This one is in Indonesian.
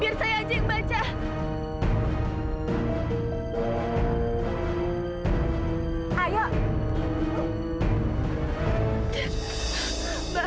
biar saya aja yang baca ayo